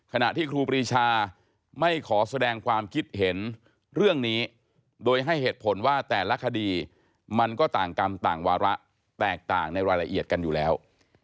ขณะที่ครูปรีชาไม่ขอแสดงความคิดเห็นเรื่องนี้โดยให้เหตุผลว่าแต่ละคดีมันก็ต่างกรรมต่างวาระแตกต่างในรายละเอียดกันอยู่แล้ว